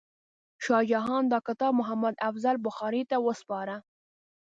شاه جهان دا کتاب محمد افضل بخاري ته وسپاره.